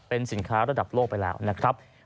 เป็นสินค้าระดับโลกไปแล้วนะครับ